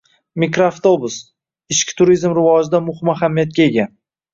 Mikroavtobus – ichki turizm rivojida muhim ahamiyatga ega